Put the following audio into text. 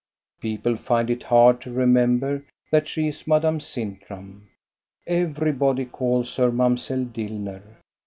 People find it hard to remember that she is Madame* Sintram. Everybody calls her Mamselle Dillner.